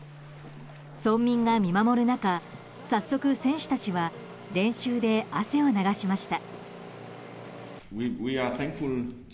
村民が見守る中早速、選手たちは練習で汗を流しました。